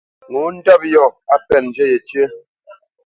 Ŋo ndɔ́p yɔ̂ á pɛ́nǝ zhǝ yecǝ́.